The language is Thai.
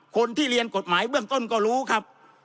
คนที่เรียนกฎหมายเบื้องต้นก็รู้ครับ